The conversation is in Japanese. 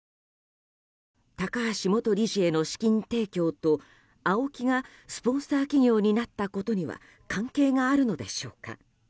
高橋元理事への資金提供とＡＯＫＩがスポンサー企業になったことには関係があるのでしょうか。